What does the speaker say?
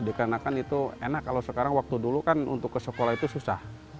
dikarenakan itu enak kalau sekarang waktu dulu kan untuk ke sekolah itu susah